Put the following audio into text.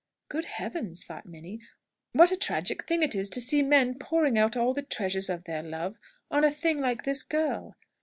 "Good Heaven!" thought Minnie, "what a tragic thing it is to see men pouring out all the treasures of their love on a thing like this girl!"